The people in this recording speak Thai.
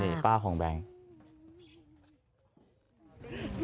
นี่ป้าของแบงค์